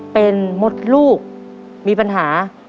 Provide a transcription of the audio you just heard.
เป็นมดลูกมีปัญหา